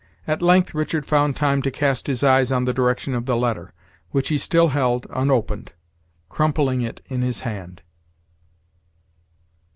At length Richard found time to cast his eyes on the direction of the letter, which he still held unopened, crumpling it in his hand.